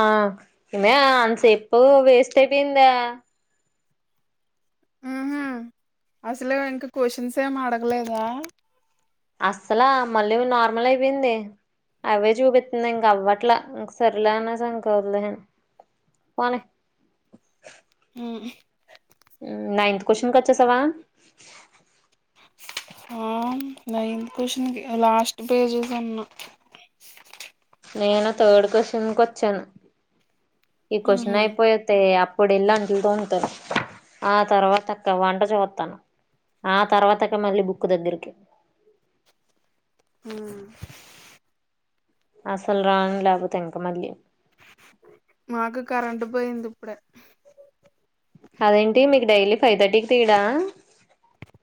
ఆ ఇన్న ఆన్ సేపు వేస్ట్ అయిపోయిందా ఆహ అసలు ఇంకా క్వశ్చన్స్ ఏమి అడగలేదా అస్సలా మల్లివి నార్మల్ అయిపోయింది అవే చూపిస్తుంది ఇంక అవ్వట్లా ఇంక సరిలే అనే సంకలేని పోనీ ఉ నైన్త్ క్వశ్చన్ క వచ్చేసావా ఆ నైన్త్ క్వశచన్ లాస్ట్ పేజెస్ అన్న నేను థర్డ్ క్వశ్చన్ కు వచ్చాను ఈ ఉహు క్వశ్చన్ అయిపోతే అప్పు ఇప్పుడు వెళ్ళంటూ ఉతారు ఆ తర్వాత అక్క వంట చూతను ఆ తర్వాత అక్క మళ్ళీ బుక్ దగ్గరికి హ అసలు రాను లేకపోతే ఇంకా మళ్ళీ మాకు కరెంట్ పోయింది ఇప్పుడే అదేంటి మీకు డైలీ ఫైవ్ థర్టీకి తీడా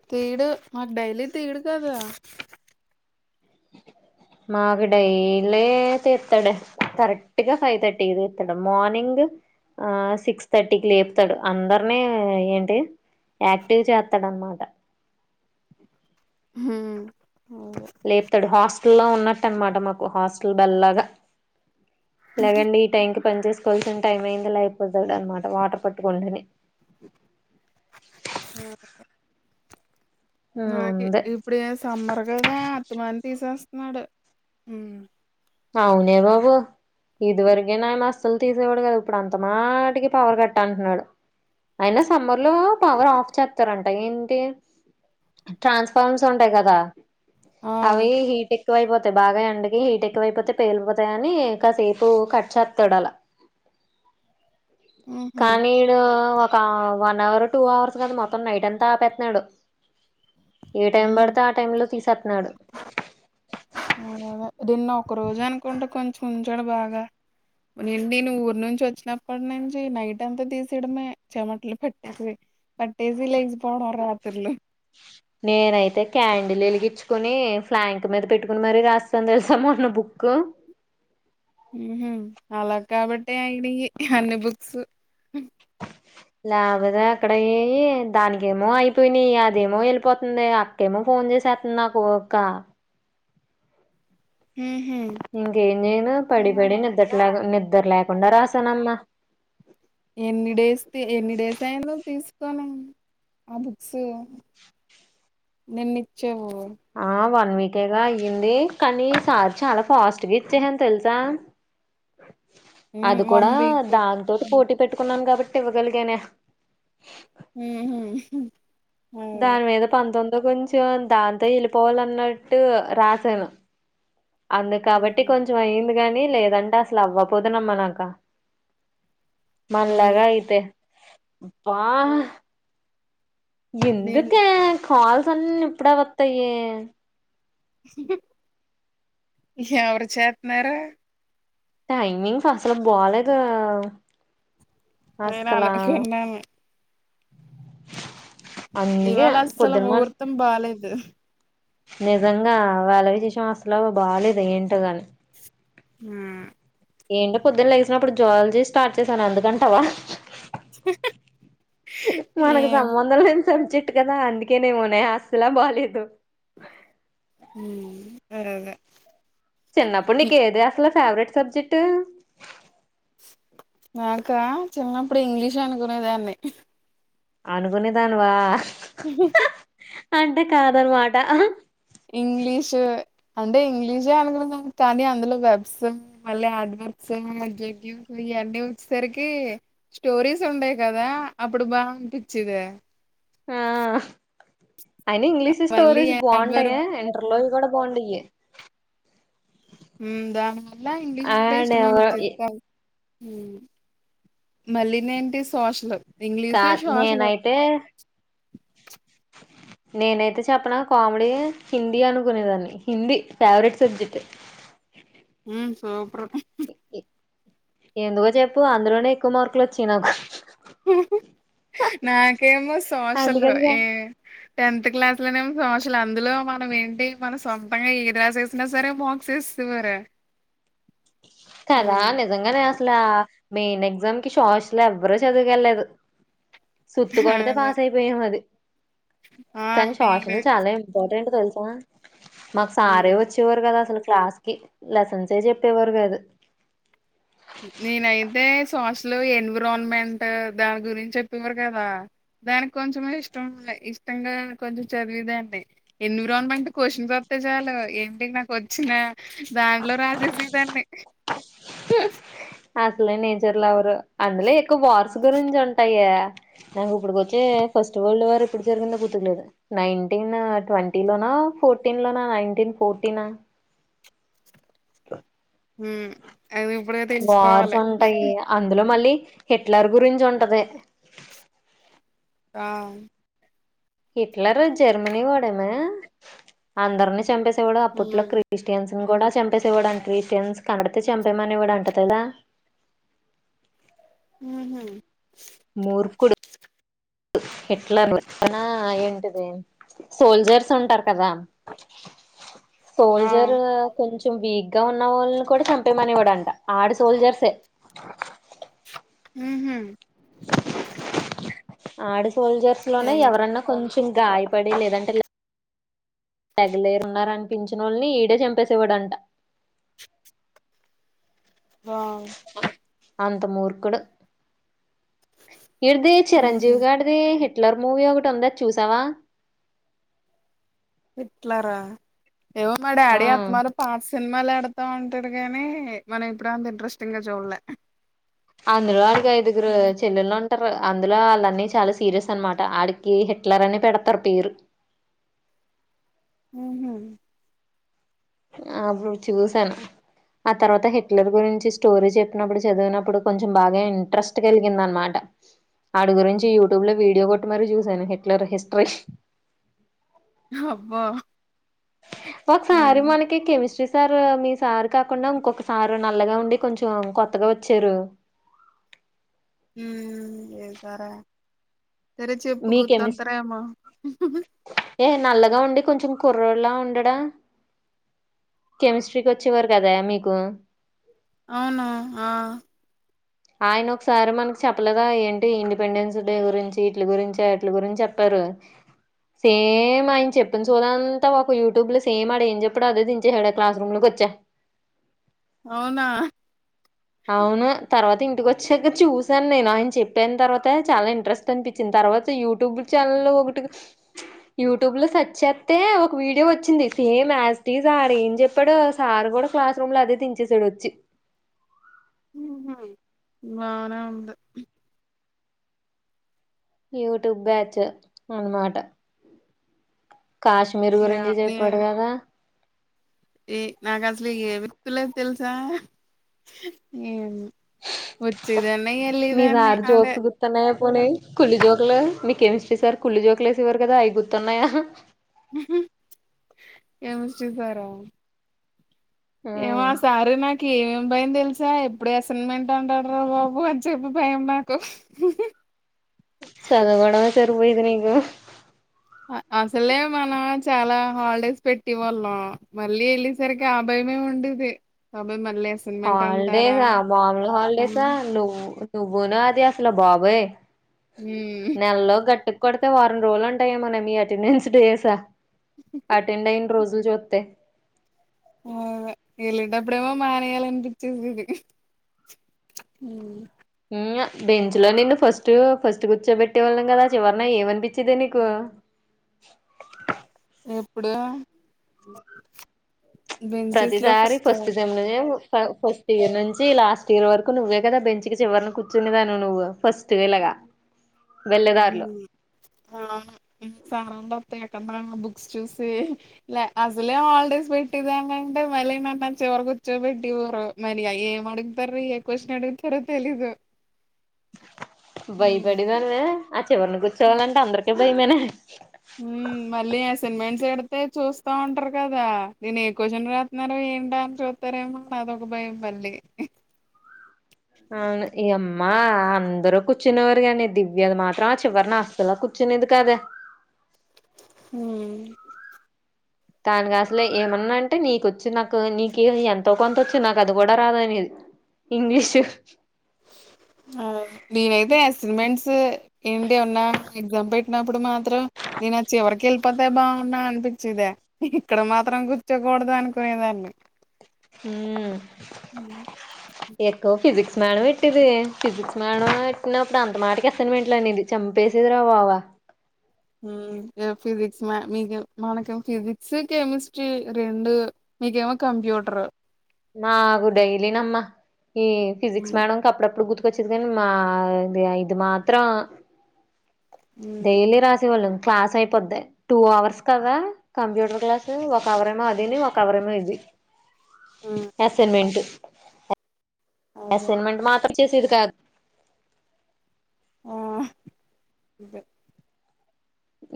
తీడు మాకు డైలీ తీడు కదా మాకు డైలీ తీత్తడు కరెక్ట్గా ఫైవ్ థర్టీకి తిత్తడు మార్నింగ్ ఆ సిక్స్ థర్టీకి లేపుతాడు అందరినీ ఏంటి యాక్టివ్ చేత్తాడు అన్నమాట హ లేపుతాడు హాస్ హల్ ఉన్నట్టు అన్న మాట మాకు హాస్టల్ బెల్ లాగా లేగండి ఈ టైం కి పని చేసుకోవాల్సిన టైం అయిందిలా అయిపోతాది అన్న మాట వాటర్ పట్టుకుంటది నాకి ఇప్పుడే సమ్మర్ కదా అత్తమని తీసేస్త మరి హు అవునే బాబు ఇది వరకేనా ఆయన అసలు తీసేవాడు కదా ఇప్పుడు అంత మాటికి పవర్ కట్ అంటున్నాడు అయిన సమ్మర్ లో పవర్ ఆఫ్ చేస్తారంట ఏం ఏ ట్రాన్స్పరమ్ సౌండ్ఎ కదా ఆ అవి హీట్ ఎక్కు ఎక్కువైపోతాయి బాగా ఎండకి హీట్ ఎక్ ఎక్కువైపోతే పేలిపోతాయ అని కాసేపు కట్ చెతాడు అలా ఉహు కానీ డు ఒక వన్ అవర్ టూ అవర్స్ కదా మొత్తం నైట్ అంతా ఆపేతున్నాడు ఏ టైం పడితే ఆ టైమ్ లో తీసేతూన్నాడు ఆ రీన్నం ఒక రోజు అనుకుంటే కొంచెం ఉంచాడు బాగా ఏంటి నేను ఊరు నుంచి వచ్చినప్పటి నుంచి నైట్ అంతా తీసేయడమే చెమట్లు పెట్టేసి పట్టేసి లేచిపోవడం రాత్రిళ్ళు నేనయితే క్యాండీల్ వెలిగిచ్చుకుని ఫ్లాంక్ మీద పెట్టుకుని మరి రాసీసాను తెలుసా మొన్న బుక్ హుమ్ హూ అలా కాబట్టి అయినాయి అన్ని బుక్స్ లేబోదే ఆక్కడ యెయి దానికెమో అయిపోయినాయి అదేమో వెళ్ళిపోతుంది అక్కేమో ఫోన్ చేసేస్తుంది నాకు ఒక్క హుం ఇంకేం చేయను పడి పడి నిద్ర లాగా నిద్రలాక్ కుండ రాసనమ్మ ఎన్ని డేస్ ది ఎన్ని డేస్ అయింది తీస్ కొని ఆ బుక్స్ నిన్న ఇచ్ చ్చావ్ నీకే గా అయ్యింది కానీ సార్ చాలా ఫాస్ట్ గా ఇచ్చేసాను తెలుసా అది వన్ కూడా వీక్ దాని తోటి పోటీ పెట్టుకున్నాం కాబట్ ఇవ్వగలిగానే ఉహు దాని మీద పంతొమ్మి ఇంగ కొంచెం దాంతో వెళ్ళిపోవాలన్నట్టు రాసాను అందుకు కాబట్టి కొంచెం అయింది గానీ లేదంటే అసలు అవ్వ పోదునమ్మా నాక మనలాగా అయితే వాహ్ నేను ఎందుకా కాల్స్ అన్ని ఇప్పుడే వత్తాయి ఎవరు చేతున్నారూ టైమింగ్స్ అసలు బాలేదు నేను వాళ్ళ అసలా కి కెన్నని అందుకే ఇవాళ అస్సలు పొద్దున మాట ముహూర్తం బాలేదు నిజంగా వాళ్ళ విశేషం అసలు బాలేదు ఏంటోగాని ఉమ్ ఏంటి పొద్దున లేేగిసినప్పుడు జువాలజీ స్టార్ట్ చేశాను ఎందుకంటావా మనకు సంబంధం లేన్ సబ్జెక్ట్ కదా అందుకేనేమోనే అస్సలా బాలేదు ఉమ్ త్వరగా చిన్నప్పుడు నీకు ఏది అసలు ఫేవరెట్ సబ్జెక్ట్ నాకా చిన్నప్పుడు ఇంగ్లీష్ అనుకునేదాన్ని అనుకునేదానివా ఆహ్ అంటే కాదనమాట ఆ హా ఇంగ్లీషు అంటే ఇంగ్లీషే అనుకునే దాన్ని కానీ అందులో వెర్బ్స్ మళ్ళీ అడ్వా వర్బ్స్ అడ్జెక్టివ్స్ ఇవన్నీ వచ్చేసరికి స్టోరీస్ ఉండయి కదా అప్పుడు బా అనిపించేది ఆ హా అయిన ఇంగ్లీష్ మళ్ళీ స్టోరీస్ యాడ్ వర్క్ బాగుంటాయే ఇంటర్లోవి కూడా బాగుంటాయి హ్మ దాంట్లా ఇంగ్లీష్ అంటే అండ్ ఎవరో ఇష్టమనిపిచేది మళ్ళీనే ఏంటి సోషలు కా నేనైతే నేనైతే చెప్పిన కామెడీ హిందీ అనుకునేదాన్ని హిందీ ఫేవరెట్ సబ్జెక్ట్ సూపర్ ఎందుకో చెప్పు అందులోనే ఎక్కువ మార్కులు వచ్చాయి నాకు నాకేమ్మె సోషల్ అందుకనిగా ఏ టెన్త్ క్లాస్ లోనే సోషల్ అందులో మనం ఏంటి మన సొంతంగా ఏ రాజేసిన సరే మోక్స్ యేసేసేవారు కదా నిజంగానే స్త అసలా మెయిన్ ఎగ్జామ్ కి సోషల్ ఎవ్వరు చదుకెళ్ళా లేదు సుతుకోడతే అదే. పాస్ అయిపోయాం మది ఆ! కానీ సోషల్ నేను చాలా ఇంపార్టెంట్ రెండు తెలుసా మాకు సారే హ్మ్. వచ్చేవారు కదా అసలు క్లాస్ కి లెసన్స్ఎ చెప్పేవారు కాదు ఇ లో ఎన్విరాన్మెంట్ దాని గురించి లో లోఎన్విరాన్మెంట్ దానీ గురించి చెప్పేవారు కదా దానికి కొంచం ఇష్టం ఇష్టంగా కొంచెం చదివేదాన్ని ఎన్విరాన్మెంట్ క్వశ్చన్స్ వస్తే చాలు ఏంటి నాకు వచ్చిన బ్యాంకులో రాజేసేదాన్నీ అసలు నేచర్ లవరు అందులో ఎ ఇం వార్స్ గురించి ఉంటాయా నాకు ఇప్పుడిక వచ్చే ఫస్ట్ వల్డ్ వార్ ఎప్పుడు జరిగిందో గుర్తూకులేదు నైన్టీన్ ట్వంటీ లోనా ఫోర్టీన్ లోనా నైన్టీన్ ఫోర్టీనా మ్మ్ అది ఇప్పుడే వార్స్ తెలుసుకోవాలి ఉంటాయి అందులో మళ్ళీ హిట్లర్ గురించి ఉంటది ఆ హిట్లర్ జర్మనీ వాడేన అందరిని చంపేసు కూడా అప్పట్లో హ్మ్. క్రిస్టియన్స్ కూడా చంపేసేవాడుంటారు ఇన్స్ కనపడితే చంపేమనివాడు అంట కదా మ్మ్ మూర్ఖుడు హిట్లర్ ఆ ఏంటిది సోల్జర్స్ ఉంటారు కదా ఆ సోల్జరు కొంచం కొంచెం వీక్గా ఉన్న వాళ్ళని కూడా చంపేమనేవడంట ఆడు సోల్జర్సే మ్మ్ హ్మ్ ఆడు సోల్జర్స్ లోనే ఏం ఎవరన్నా కొంచెం ఇంగాయపడి లేదంటే ల తెగలేరున్నారనిపించినోళ్ళని ఈడే చంపేసేవాడంట వావ్ అంతమూర్ఖుడు ఇడ్ది ఉహు చిరంజీవి గాడిది హి హిట్లర్ మూవీ ఒకటి ఉంది అది చూసావా హిట్లరా ఏవో మా ఆ డాడీ అత్తమారి పాతా సినిమాలుఎడతావుంటే అంటాడు గానీ మనం ఎప్పుడు అంత ఇంట్రెస్టింగ్ గా చూడలే ఆందులో ఐదుగురు చెల్లెలు ఉం ర్ అందులో వాళ్ళ అన్నయ్య చాలా సీరియస్ అనమాట ఆడికి హిట్లర్ అని పెడతారు పేరు ఊ హు ఆ అప్పుడు చూసాను ఆ తర్వాత హిట్లర్ గురించి స్టోరీ చెప్పినప్పుడు చదివినప్పుడు కొంచెం బాగా ఇంట్రెస్ట్ కలిగిందానమాటా ఆడి గురించి య్యూటుబ్లో వీడియో కోట్టి మరి చూసాను హిట్లర్ హిస్టరీ హ అబ్బా ఒక్కసారి మనకి కెమిస్ట్రీ సార్ మీ సార్ కాకుండా ఇంకొకసారు నల్లగా ఉండి కొంచెం కొత్తగా వచ్చారు హు ఏ సారే సరే చెప్పు మీ కెమిస్ గుర్తొతారేమో ఏ నల్లగా ఉండి కొంచెం కుర్రాడొలా ఉండడా కెమిస్ట్రీకి వచ్చేవరు కదా మీకు అవును ఆ ఆయన ఒకసారి మనకు చెప్పలేదా ఏంటి ఇండిపెండెన్స్ డే గురించి ఇట్లి గురించి అట్లి గురించి చెప్పారు సేమ్ ఆయన చెప్పిన సోదంతా ఒక యూట్యూబ్ లో సేమ్ ఆడ ఏం చెప్పాడో అదే దించేసాడు క్లాస్ రూమ్ లోకి వచ్చా అవునా! అవును తర్వాత్ ఇంటికి వచ్చాక చూసాను నేను ఆయన చెప్పిన తర్వాత చాలా ఇంట్రెస్ట్ అనిపించింది తర్వాత యూట్యూబ్ ఛానల్లో ఒకటి యూట్యూబ్ లో సర్చే అయితే ఒక వీడియో వచ్చింది సేమ్ ఆస్ స్టీస్ ఆడ ఏం చెప్పాడో సార్ కూడా క్లాస్ రూమ్ లో అదే దించేసాడు వచ్చి ఉహు బానే ఉంది యూట్యూబ్ బ్యాచు అనమాట కాశ్మీర్ యా గురించి నే చెప్పాడు గదా ఏ నాకు అసలు ఏ గుర్తు లేవ్ తెలుసా ఏం వచ్చెదాన్ని మీ ఎల్లెదాన్నే సార్ అదే జోక్స్ గుర్తున్నాయా పోనీ కుళ్ళు జోకులు మీ కెమిస్ట్రీ సార్ కుళ్ళు జోకలు వేసేవారు కదా అవి గుర్తున్నాయా ఉహు కెమిస్ట్రీ సారా ఏమో ఆ ఉమ్ సార్ నాకేం భయం తెలుసా ఎప్పుడు ఏ అసైన్మెంట్ అంటాడ్రా బాబు అని చెప్పి భయం నాకు సదవడం సరి పోయేది నీకు అ అసలే మనోజ్ చాలా హాలిడేస్ పెట్టివాళ్ళం మళ్ళీ ఎళ్ళేసరికి ఆ భయమే ఉండేది బాబోయ్ మళ్ హాలిడేసా మాములు ఉమ్ హాలిడేసా నువ్ నువ్వును అది అసల బాబోయ్ ఉమ్ నెల్లో గట్టుక్ కొడితే వారం రోజులు ఉంటాయేమోనే మీ అటెండెన్స్ డేస అటెండ్ అయిన రోజ్ ఫుల్ చుత్తే మ్మ్ అదే ఎళ్లేటప్పుడేమో మానేయ్యాలనిపించేసేది మ్మ్ మ్మ్ అ బెంచ్ లో నిన్ను ఫస్ట్ ఫస్ట్ కూర్చోబెట్టేవాళ్ళం కదా ఆ చివర్న ఏమనిపిచ్చేదే నీకు ఎప్పుడు? బెంచెస్ లో ప్రతిసారి ఫస్ట్ సెమ్ లో ఫ ఫస్ట్ ఇయర్ నుంచి లాస్ట్ ఇయర్ వరకు నువ్వే కదా బెంచ్ కి చివరిన కూర్చునే దానివి నువ్వు ఫస్ట్ వెళగా మ్మ్ ఆ అవును మ్మ్ [unintelligible] తే కొందరేమో బుక్స్ చూసి లే అసలే హాలిడేస్ పెట్టె దాని అంటే మళ్ళీ నన్ను ఆ చివర కుర్చో పెట్టివారు మరి ఏం అడుగుతారు ఏ క్వశ్చన్ అడుగుతారో తెలీదు హ్మ్ బయపడేదానివే చివరిన కూర్చోవాలంటే అందర్ భయమే నా మ్మ్ మళ్ళీ అసైన్మెంట్స్ ఎడితే చూస్తా ఉంటారు కదా నేన్ ఏ క్వశ్చన్ రాతున్నారో ఏంటో అని చూత్తారేమో అదొక భయం మళ్ళీ అవును ఇ అమ్మా అందరు కూర్చునేవారు కాని దివ్యది మాత్రం ఆ చివరినా అసలా కూర్చునేది కాదే మ్మ్ దానికి అసలే ఏమన్నా అంటే నీకొచ్చి నాకు నీకు ఎంతో కొంత వచ్చు నాకు అది కూడా రాదునేది ఇంగ్లీషు అదదే నేనైతే అసన్మెంట్స్ ఏంటి ఉన్నా ఎగ్జామ్ పెట్ ప్పుడు మాత్రం నేన్ ఆ చివరికి వెళ్ళిపోతే బాగుండ్ అని అనిపించిదే ఇక్కడ మాత్రం కూర్చోకూడదు అనుకునేదాన్ని మ్మ్ ఎక్కువ ఫిజిక్స్ మేడం ఎట్టేదే ఫిజిక్స్ మేడం ఎట్టినప్పుడు అంత మాటకి అసైన్మెంట్లు అనేది చంపేసేది రా బావా మ్మ్ ఫిజిక్స్ మ మీక మనకేమో ఫిజిక్స్ కెమిస్ట్రీ రెండు మీకేమో కంప్యూటర్ మాగుడైలీనమ్మ ఈ ఫిజిక్స్ ఉమ్ మేడం కప్పుడప్పుడు గుర్తు వచ్చిద్ధిగని మా ఇ ఇది మాత్రం డేలీ రాసేవాళ్ళం క్లాస్ అయిపోద్ధి టూ అవర్స్ కదా కంప్యూటర్ క్లాస్ ఒక అవర్ ఏమో అదిని ఒక అవర్ ఏమో ఇది ఉమ్ అసైన్మెంటు అదే అసైన్మెంట్ మాత్రం చ్చేసి ఇదికాద్ ఆ [inaudible] పె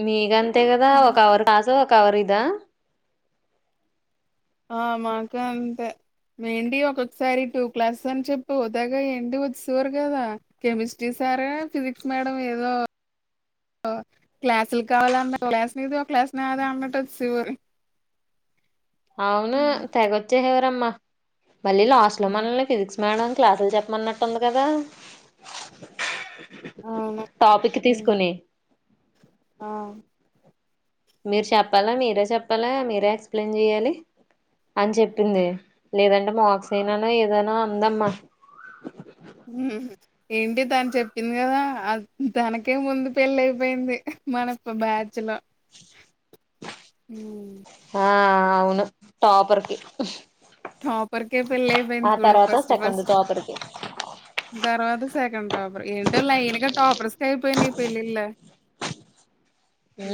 మీ గం తే కదా ఒ కవర్ కాసో కవరిదా ఆ మాకు అంతే ఏంటి ఒక్కొకసారి టూ క్లాసెస్ అని చెప్పి హోతేగా ఏంటి వచ్చేసేవారు కదా కెమిస్ట్రీ సారే ఫిజిక్స్ మేడం ఏదో క్లాసులు కావాలన్న ఒక్లాస్ నీది ఒ క్లాస్ నాది అన్నట్టు వచ్చేవారు. అవును తెగొచ్చేసేవారు అమ్మ మళ్ళీ లాస్ట్ లో మనల్ని ఫిజిక్స్ మేడం క్లాసులు చెప్పమన్నట్టు ఉంది కదా అవును టాపిక్ తీసుకొని ఆ మీరు చెప్పాలా మీరే చెప్పాలా మీరే ఎక్స్ప్లెయిన్ చెయ్యాలి అని చెప్పింది. లేదంటే మార్క్స్ అయినానా ఏదైనా అందమ్మా. పుహ్ ఏంటి తను చెప్పింది కదా తనకే ముందు పెళ్లి అయిపోయింది మన బ్యాచ్ లో ఆ ఉ ఆ అవును టాపర్కి టాపర్కే పెళ్లి అయిపోయింది ఆ చూడు తర్వాత ఫస్ట్ సెకండ్ ఫస్ట్ టాపర్ కి తర్వాత సెకండ్ టాపర్ ఏంటో లైన్గా టాపర్స్కే అయిపోయింది. పెళ్లిళ్లు ఉ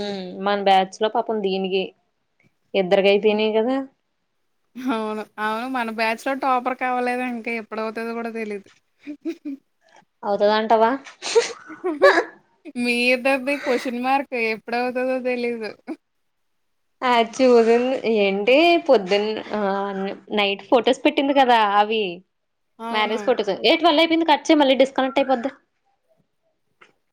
మన బ్యాచ్ లో పాపం దీనికి ఇద్దరికి అయిపోయినాయి కదా అవును అవును మన బ్యాచ్ లో టాపర్ కవలేదు ఇంకా ఎప్పుడవుతుందో కూడా తెలీదు. అవుతదంటావా హుహ్ మీ ఇద్దరిది క్వొశ్చన్ మార్క్ ఎ ప్పుడవుతదో తెలీదు. ఆ చూసిం ఏంటి పొద్దున్న ఆ నైట్ ఫొటోస్ పెట్టింది కదా అవి అవును మ్యారేజ్ ఫొటోస్ ఎ ట్వల్ అయిపోయింది కట్ చెయ్ మళ్ళీ డిస్కనెక్ట్ అయిపోద్ది.